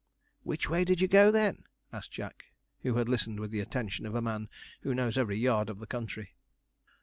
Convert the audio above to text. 'Which way did you go, then?' asked Jack, who had listened with the attention of a man who knows every yard of the country.